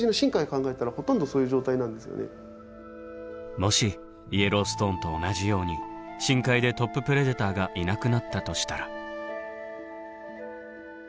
もしイエローストーンと同じように深海でトッププレデターがいなくなったとしたら。